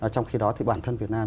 trong khi đó thì bản thân việt nam